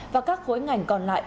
và các khối ngành còn lại